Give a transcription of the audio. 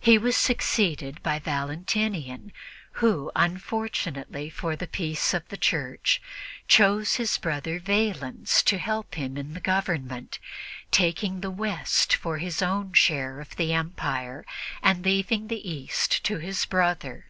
He was succeeded by Valentinian, who, unfortunately for the peace of the Church, chose his brother Valens to help him in the government, taking the West for his own share of the Empire and leaving the East to his brother.